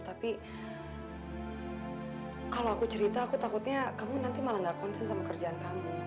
tapi kalau aku cerita aku takutnya kamu nanti malah gak konsen sama kerjaan kamu